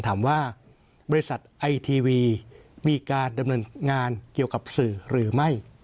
ถามว่าบริษัทไอทีวีมีการดำเนินงานเกี่ยวกับสื่อหรือไม่